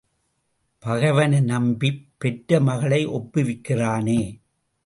பகைவனை நம்பிப் பெற்ற மகளை ஒப்புவிக்கிறானே?